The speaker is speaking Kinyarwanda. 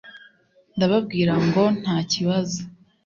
ndababwira ngo nta kibazo